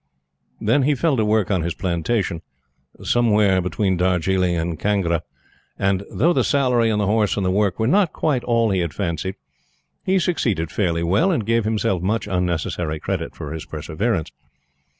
Then he fell to work on this plantation, somewhere between Darjiling and Kangra, and, though the salary and the horse and the work were not quite all he had fancied, he succeeded fairly well, and gave himself much unnecessary credit for his perseverance.